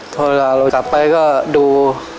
แต่เวลาเรากลับไปก็ดู